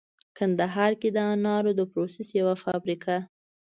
کندهار کې د انارو د پروسس یوه فابریکه